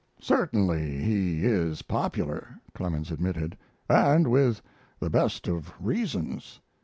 "Certainly he is popular," Clemens admitted, "and with the best of reasons.